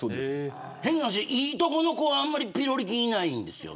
変な話、いいとこの子はあんまりピロリ菌いないんですよ